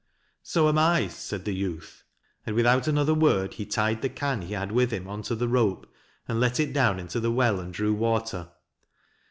" So am I," said the youth, and without another word he tied the can he had with him on to the rope, and let it down into the well and drew water.